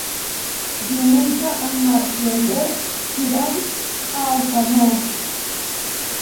Diumenge en Marc i en Quer iran a Alcanó.